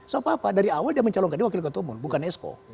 so apa apa dari awal dia mencalonkan di wakil ketua umum bukan esko